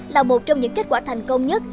là một trong những kết quả thành công nhất